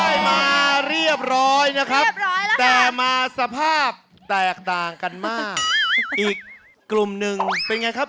ได้มาเรียบร้อยนะครับแต่มาสภาพแตกต่างกันมากอีกกลุ่มหนึ่งเป็นไงครับ